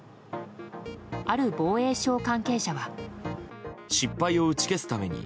ある防衛省関係者は。